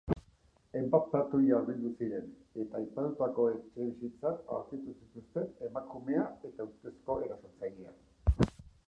Hainbat patruila hurbildu ziren eta aipatutako etxebizitzan aurkitu zituzten emakumea eta ustezko erasotzailea.